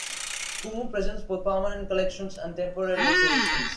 Kumu presents both permanent collections and temporary exhibitions.